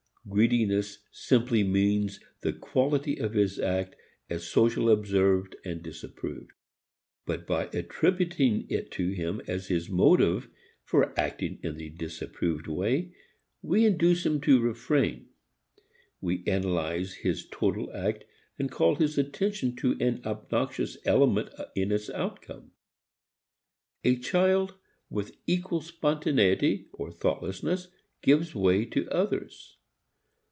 Greediness simply means the quality of his act as socially observed and disapproved. But by attributing it to him as his motive for acting in the disapproved way, we induce him to refrain. We analyze his total act and call his attention to an obnoxious element in its outcome. A child with equal spontaneity, or thoughtlessness, gives way to others.